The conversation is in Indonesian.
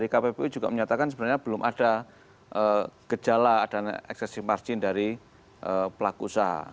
kppu juga menyatakan sebenarnya belum ada gejala dan eksesif margin dari pelaku usaha